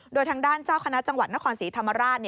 โดยทางด้านเจ้าคณะจังหวัดนครศรีธรรมราช